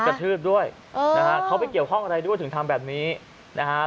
กระทืบด้วยนะฮะเขาไปเกี่ยวข้องอะไรด้วยถึงทำแบบนี้นะฮะ